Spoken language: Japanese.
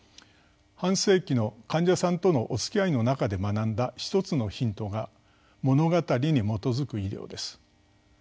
半世紀の患者さんとのおつきあいの中で学んだ一つのヒントが「物語に基づく医療」です。